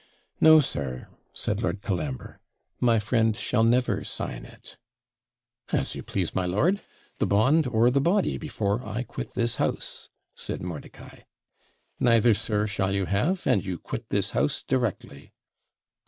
'No, sir,' said Lord Colambre, 'my friend shall never sign it.' 'As you please, my lord the bond or the body, before I quit this house,' said Mordicai. 'Neither, sir, shall you have; and you quit this house directly.'